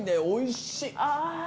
おいしい。